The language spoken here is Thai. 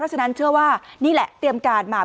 ฉะนั้นเชื่อว่านี่แหละเตรียมการมา